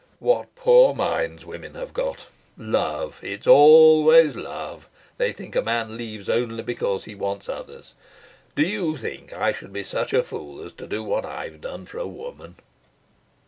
"What poor minds women have got! Love. It's always love. They think a man leaves only because he wants others. Do you think I should be such a fool as to do what I've done for a woman?"